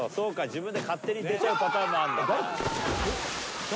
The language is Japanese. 自分で勝手に出ちゃうパターンもあるんだ